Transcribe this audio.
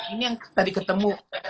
ini yang tadi ketemu